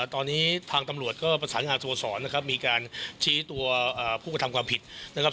ตอนนี้ทางตำรวจก็ประสานงานสโมสรนะครับมีการชี้ตัวผู้กระทำความผิดนะครับ